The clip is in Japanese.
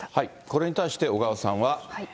これに対して小川さんは。